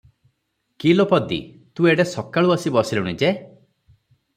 "କି ଲୋ ପଦୀ! ତୁ ଏଡେ ସକାଳୁ ଆସି ବସିଲୁଣି ଯେ?"